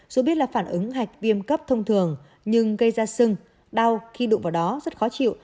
dù biết là phản ứng hạch viêm cấp thông thường nhưng gây ra sưng đau khi đụng vào đó rất khó chịu